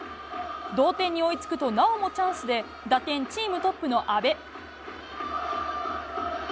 同点に追いつくとなおもチャンスで、打点チームトップの阿部。